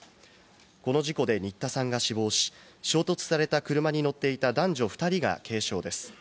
この事故で新田さんが死亡し、衝突された車に乗っていた男女２人が軽傷です。